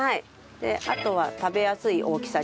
であとは食べやすい大きさに。